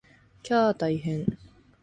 きゃー大変！